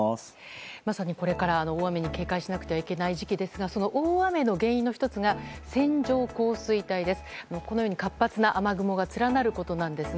まさにこれから大雨に警戒しなくてはいけない時期ですがその大雨の原因の１つが線状降水帯です。